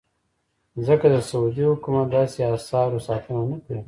ځکه د سعودي حکومت داسې اثارو ساتنه نه کوي.